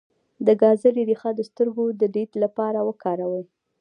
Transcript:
د ګازرې ریښه د سترګو د لید لپاره وکاروئ